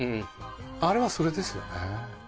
あれはそれですよね。